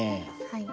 はい。